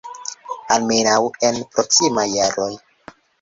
Almenaŭ, en proksimaj jaroj.